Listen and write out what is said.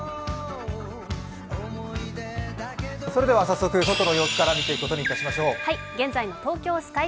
早速外の様子から見ていくことにいたしましょう。